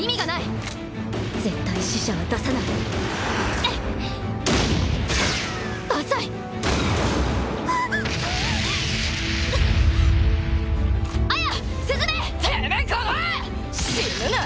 死ぬな？